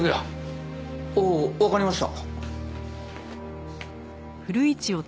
ああわかりました。